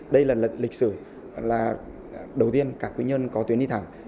đây là lịch sử đầu tiên cảng quy nhơn có tuyến đi thẳng